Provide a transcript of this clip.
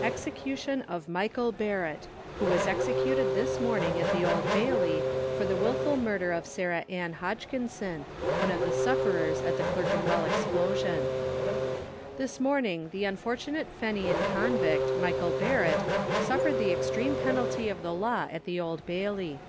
EXECUTION OF MICHAEL BARRETT, Who was executed this morning at the Old Bailey, for the wilful murder of Sarah Ann Hodgkinson, one of the sufferers at the Clerkenwell Explosion. This morning the unfortunate Fenian convict, Michael Barrett, suffered the extreme penalty of the law at the Old Bailey.